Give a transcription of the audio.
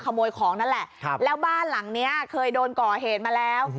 ขโมยของนั่นแหละแล้วบ้านหลังเนี้ยเคยโดนก่อเหตุมาแล้ว